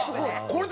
これ。